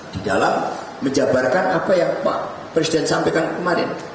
di dalam menjabarkan apa yang pak presiden sampaikan kemarin